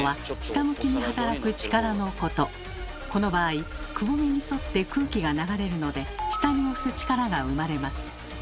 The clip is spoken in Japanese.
この場合くぼみに沿って空気が流れるので下に押す力が生まれます。